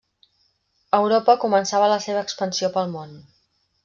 Europa començava la seva expansió pel món.